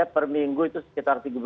perminggu itu sekitar